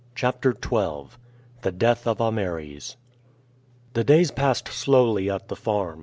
CHAPTER XII. THE DEATH OF AMERES. The days passed slowly at the farm.